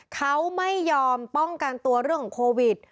เขาไม่ยอมป้องกันตัวเรื่องของโควิด